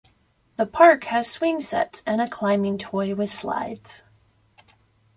The park has swing sets and a climbing toy with slides.